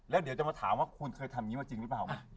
แล้วเดี๋ยวจะมาถามว่าคุณเคยทำอย่างนี้มาจริงหรือเปล่า